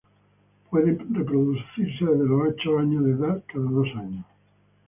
Pueden reproducirse desde los ocho años de edad, cada dos años.